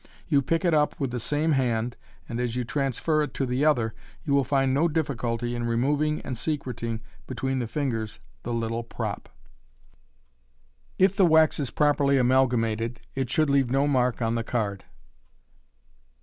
You pick it up with the same hand, and as you trans fer it to the other, you will find no difficulty in removing and secret ing between the fingers the little prop. If the wax is properly amalgamated, it should leave no mark on the card.